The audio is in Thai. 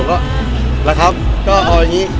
ก็เอาอย่างนี้